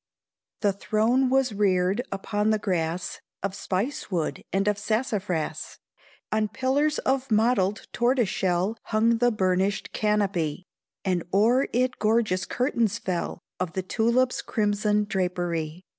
The throne was reared upon the grass Of spice wood and of sassafras; On pillars of mottled tortoise shell Hung the burnished canopy And o'er it gorgeous curtains fell Of the tulip's crimson drapery.